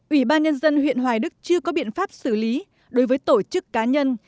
ủy ban nhân dân huyện hoài đức chưa có biện pháp xử lý đối với tổ chức cá nhân